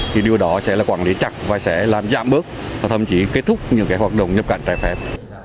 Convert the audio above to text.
thì điều đó sẽ là quản lý chặt và sẽ làm giảm bớt và thậm chí kết thúc những cái hoạt động nhập cảnh trai phép